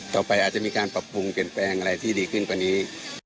ต่อไปอาจจะมีการปรับปรุงเปลี่ยนแปลงอะไรที่ดีขึ้นกว่านี้